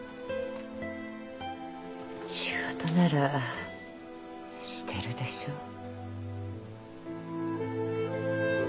仕事ならしてるでしょ。